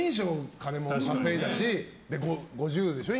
金も稼いだし、５０歳でしょ？